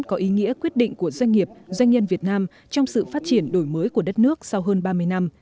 có ý nghĩa quyết định của doanh nghiệp doanh nhân việt nam trong sự phát triển đổi mới của đất nước sau hơn ba mươi năm